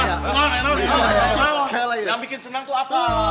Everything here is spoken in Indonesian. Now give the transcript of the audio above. yang bikin senang tuh apa